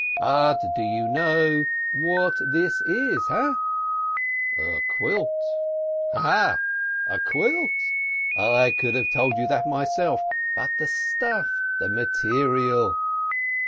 "But do you know what this is, ha ?" "A quilt." "Ha, ha, ha! A quilt? I could have told you that myself. But the stuff, the material?"